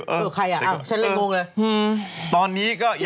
กี๊บใครอ่ะฉันเลยงงเลย